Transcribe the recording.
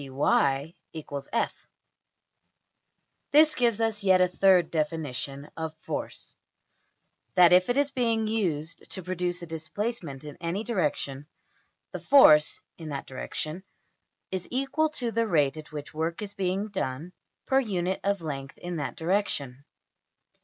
\end{DPalign*} This gives us yet a third definition of \emph{force}; that if it is being used to produce a displacement in any direction, the force (in that direction) is equal to the rate at which work is being done per unit of length in that direction.